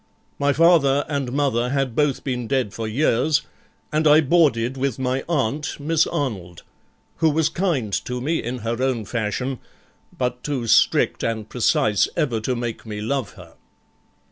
My father and mother had both been dead for years, and I boarded with my aunt, Miss Arnold, who was kind to me in her own fashion, but too strict and precise ever to make me love her.